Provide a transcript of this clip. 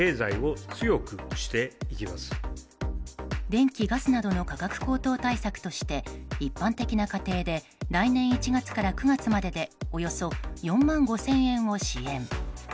電気、ガスなどの価格高騰対策として一般的な家庭で来年１月から９月まででおよそ４万５０００円を支援。